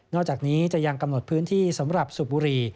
อกจากนี้จะยังกำหนดพื้นที่สำหรับสูบบุรี